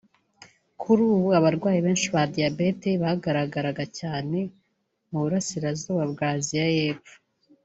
Kuri ubu abarwayi benshi ba diabète bagararaga cyane mu Burasirazuba bwa Aziya y’Epfo